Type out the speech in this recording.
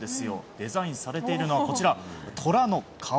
デザインされているのは虎の顔。